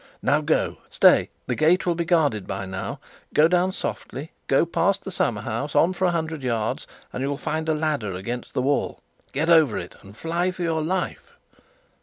Now go. Stay, the gate will be guarded by now. Go down softly, go past the summer house, on for a hundred yards, and you'll find a ladder against the wall. Get over it, and fly for your life."